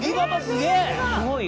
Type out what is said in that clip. すごいよ。